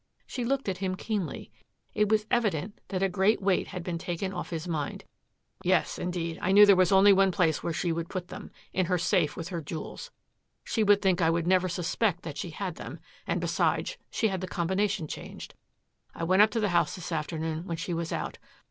She looked at him keenly. It was evident that a great weight had been taken off his mind. "Yes indeed. I knew there was only one place where she would put them in her safe with her jewels. She would think I would never suspect that she had them and, besides, she had the combination changed. I went up to the house this afternoon when she was out.